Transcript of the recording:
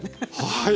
はい。